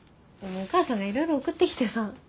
お母さんがいろいろ送ってきてさ。